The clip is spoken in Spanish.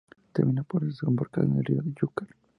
Termina por desembocar en el río Júcar.